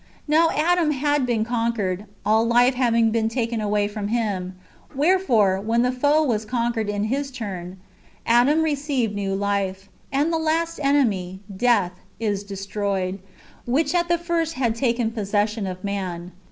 Now Adam had been conquered, all life having been taken away from him : wherefore, when the foe was con quered in his turn, Adam received new life; and the last enemy, death, is destroyed,^ which at the first had taken possession of man.